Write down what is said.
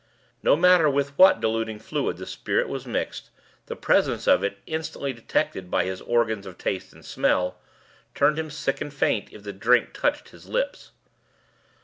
No matter with what diluting liquid the spirit was mixed, the presence of it, instantly detected by his organs of taste and smell, turned him sick and faint if the drink touched his lips.